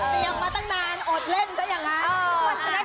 เต็มยังมาตั้งนานอดเล่นก็ยังไง